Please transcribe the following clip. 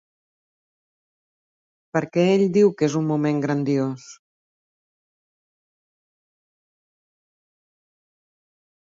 Per què ell diu que és un moment grandiós?